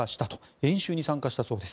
演習に参加したそうです。